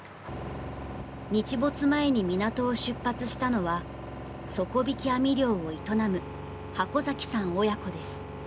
日没前に港を出発したのは底引き網漁を営む箱崎さん親子です。